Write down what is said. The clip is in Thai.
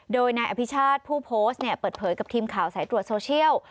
โดยนายอภิชาติผู้โพสต์เปิดเผยกับทีมข่าวสายตรวจโซเชียล